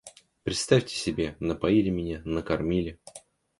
Представьте себе, напоили меня, накормили.